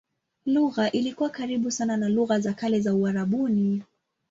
Lugha ilikuwa karibu sana na lugha za kale za Uarabuni.